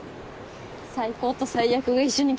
最高と最悪が一緒に来た。